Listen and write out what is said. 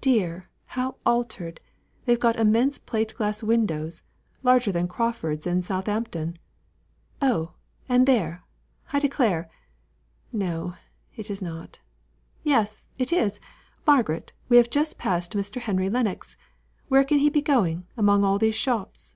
Dear! how altered! They've got immense plate glass windows, larger than Crawford's in Southampton. Oh, and there, I declare no, it is not yes, it is Margaret, we have just passed Mr. Henry Lennox. Where can he be going, among all these shops?"